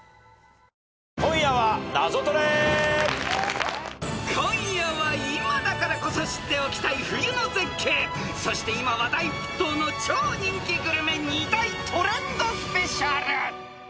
『今夜はナゾトレ』［今夜は今だからこそ知っておきたい冬の絶景そして今話題沸騰の超人気グルメ２大トレンドスペシャル！］